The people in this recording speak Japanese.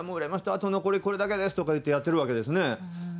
あと残りこれだけですとかいってやっているわけですね。